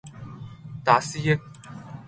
打思噎